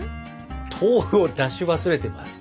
豆腐を出し忘れてます。